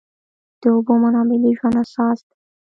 د اوبو منابع د ژوند اساس دي.